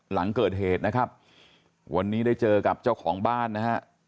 หลังเกิดเหตุนะครับวันนี้ได้เจอกับเจ้าของบ้านนะฮะ